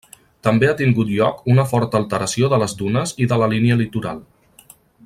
També ha tingut lloc una forta alteració de les dunes i de la línia litoral.